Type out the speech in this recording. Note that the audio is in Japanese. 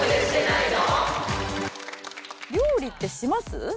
料理ってします？